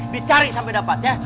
dicari sampai dapat ya